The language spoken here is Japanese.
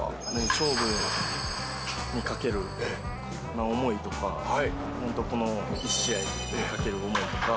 勝負にかける思いとか、本当、この一試合にかける思いとか。